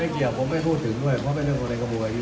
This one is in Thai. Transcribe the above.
หมอม่าของทหารยกรภาพความคิดเลย